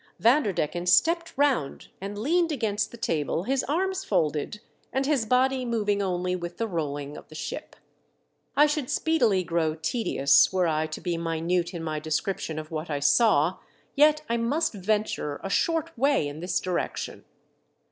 Vanderdecken stepped round, and leaned against the table, his arms folded, and his body moving only with the rolling of the ship. I should speedily grow tedious were I to be minute in my description of what I saw, yet I must venture a short way in this direc tion.